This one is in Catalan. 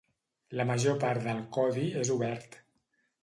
La major part del codi és obert.